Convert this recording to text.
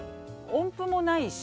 音符もないし。